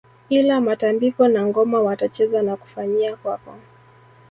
Ila matambiko na ngoma watacheza na kufanyia kwako